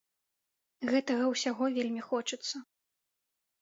Гэтага ўсяго вельмі хочацца.